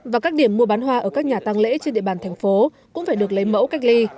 và các điểm mua bán hoa ở các nhà tăng lễ trên địa bàn thành phố cũng phải được lấy mẫu cách ly